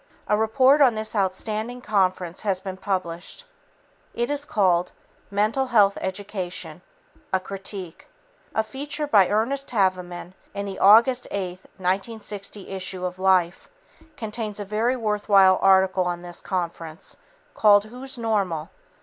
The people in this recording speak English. A report on this outstanding conference has been published. It is called "Mental Health Education: A Critique." A feature by Ernest Havemann in the August 8, 1960 issue of Life contains a very worthwhile article on this conference called "Who's Normal?